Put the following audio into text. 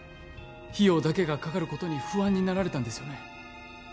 費用だけがかかることに不安になられたんですよね？